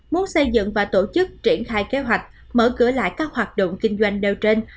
muốn xây dựng và tổ chức triển khai kế hoạch mở cửa lại các hoạt động kinh doanh đều trên